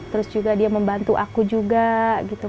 terus juga dia membantu aku juga gitu